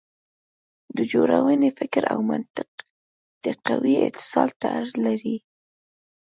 د جوړونې فکر او منطقوي اتصال ته اړ دی.